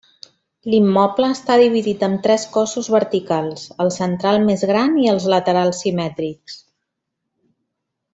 L'immoble està dividit amb tres cossos verticals: el central més gran i els laterals simètrics.